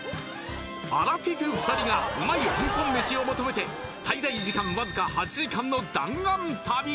アラフィフ２人がうまい香港飯を求めて滞在時間わずか８時間の弾丸旅！